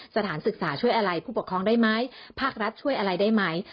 สถานศึกษาช่วยอะไรผู้ปกครองได้ไหมภาครัฐช่วยอะไรได้ไหม